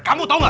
kamu tau nggak